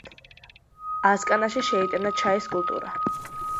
ასკანაში შეიტანა ჩაის კულტურა.